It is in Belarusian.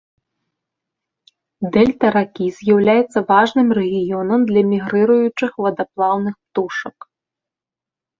Дэльта ракі з'яўляецца важным рэгіёнам для мігрыруючых вадаплаўных птушак.